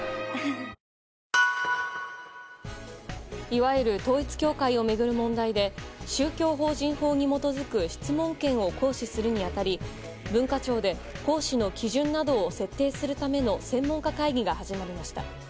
いわゆる統一教会を巡る問題で宗教法人法に基づく質問権を行使するに当たり文化庁で行使の基準などを設定するための専門家会議が始まりました。